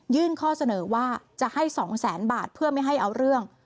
ข้อเสนอว่าจะให้๒แสนบาทเพื่อไม่ให้เอาเรื่อง